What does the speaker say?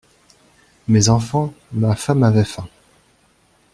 Mes enfants, ma femme avaient faim!